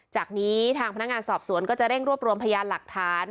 จากนี้ทางพนักงานสอบสวนก็จะเร่งรวบรวมพยานหลักฐาน